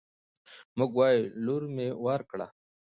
موږ وايو: لور مې ورکړ